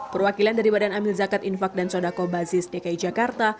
perwakilan dari badan amil zakat infak dan sodako basis dki jakarta